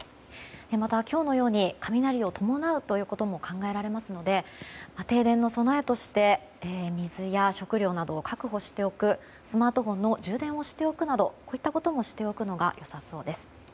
また、今日のように雷を伴うことも考えられますので停電の備えとして水や、食料などを確保しておくスマートフォンの充電をしておくなどこういったことをしておくのが良さそうです。